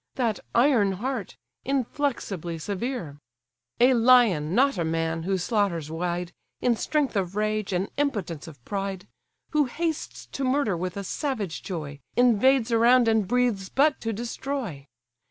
That iron heart, inflexibly severe; A lion, not a man, who slaughters wide, In strength of rage, and impotence of pride; Who hastes to murder with a savage joy, Invades around, and breathes but to destroy!